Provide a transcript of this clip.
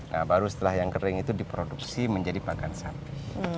nah baru setelah yang kering itu diproduksi menjadi pakan sapi